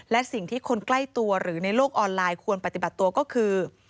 และสิ่งที่คนใกล้ตัวหรือในโลกออนไลน์ควรปฏิบัติตัวก็คือ